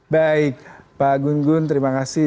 baik pak gun gun terima kasih